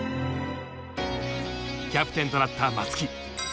キャプテンとなった松木。